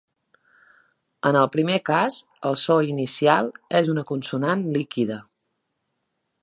En el primer cas, el so inicial és una consonant líquida.